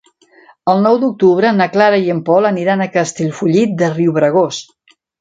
El nou d'octubre na Clara i en Pol aniran a Castellfollit de Riubregós.